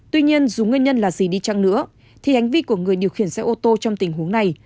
tuy nhiên dù nguyên nhân là gì đi chăng nữa thì hành vi của người điều khiển xe ô tô trong tình huống này